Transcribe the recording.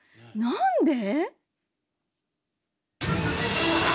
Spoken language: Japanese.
なんで？